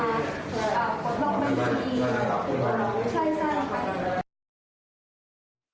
อย่างที่มีจำนวนแสนเพื่อมาคดล็อกบัญชีหรือเปล่าใช่